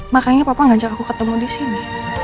makanya papa ngajak aku ketemu disini